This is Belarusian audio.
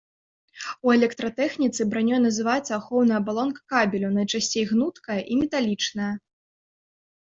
У электратэхніцы бранёй называецца ахоўная абалонка кабелю, найчасцей гнуткая і металічная.